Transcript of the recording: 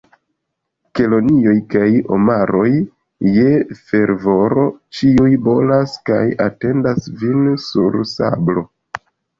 Kelonioj kaj omaroj je fervoro ĉiuj bolas, kaj atendas vin sur sablo!